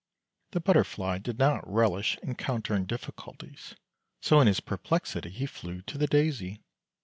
The butterfly did not relish encountering difficulties, so in his perplexity he flew to the Daisy.